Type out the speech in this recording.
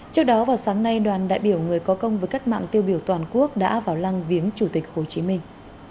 trước đó vào sáng nay đoàn đại biểu người có công với cách mạng tiêu biểu toàn quốc đã vào lăng viếng chủ tịch hồ chí minh